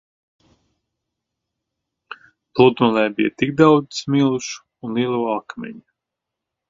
Pludmalē bija tik daudz smilšu un lielo akmeņu.